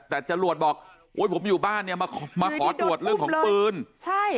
แต่จรวดบอกโอ้ยผมอยู่บ้านเนี่ยมามาขอตรวจเรื่องของปืนใช่